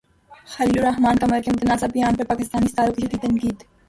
خلیل الرحمن قمر کے متنازع بیان پر پاکستانی ستاروں کی تنقید